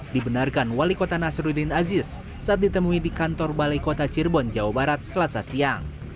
dibenarkan wali kota nasruddin aziz saat ditemui di kantor balai kota cirebon jawa barat selasa siang